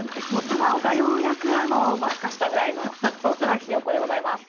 卵がようやくふ化したぐらいのひよっこでございます。